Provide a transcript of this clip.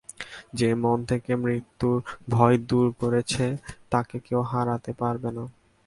যে মন থেকে মৃত্যুর ভয় দূর করেছে, তাকে কেউ হারাতে পারবে না।